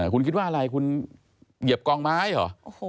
คุณคิดว่าอะไรคุณเหยียบกองไม้เหรอ